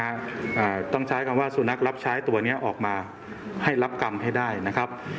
อ่าต้องใช้คำว่าสุนัขรับใช้ตัวเนี้ยออกมาให้รับกรรมให้ได้นะครับ